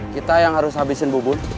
kita yang harus habisin bubur